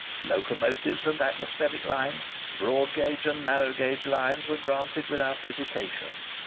Locomotive and atmospheric lines, broad gauge and narrow gauge lines, were granted without hesitation.